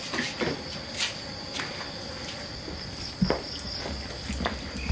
พร้อมทุกสิทธิ์